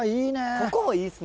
ここもいいっすね。